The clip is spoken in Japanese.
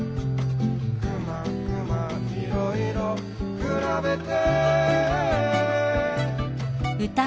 「くまくまいろいろくらべて」